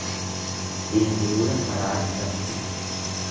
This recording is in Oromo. Ilmi bula karaa irratti.